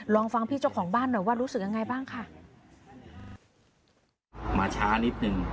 ลองฟังพี่เจ้าของบ้านหน่อยว่ารู้สึกยังไงบ้างค่ะมาช้านิดหนึ่ง